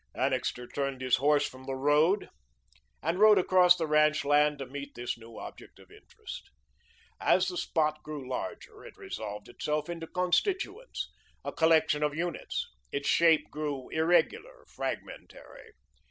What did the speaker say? Annixter turned his horse from the road and rode across the ranch land to meet this new object of interest. As the spot grew larger, it resolved itself into constituents, a collection of units; its shape grew irregular, fragmentary.